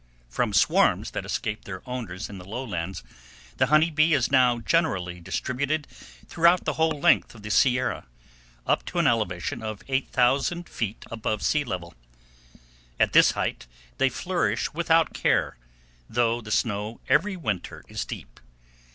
From swarms that escaped their owners in the lowlands, the honey bee is now generally distributed throughout the whole length of the Sierra, up to an elevation of 8000 feet above sea level. At this height they flourish without care, though the snow every winter is deep.